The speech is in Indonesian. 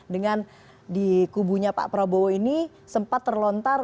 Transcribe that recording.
dengan di kubunya pak prabowo ini sempat terlontar